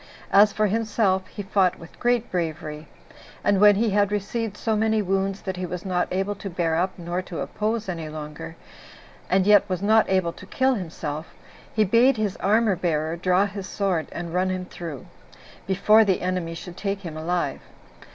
As for himself, he fought with great bravery; and when he had received so many wounds, that he was not able to bear up nor to oppose any longer, and yet was not able to kill himself, he bade his armor bearer draw his sword, and run him through, before the enemy should take him alive.